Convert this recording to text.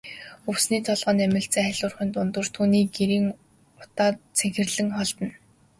Өвсний толгой намилзан халиурахын дундуур түүний гэрийн утаа цэнхэрлэн холдоно.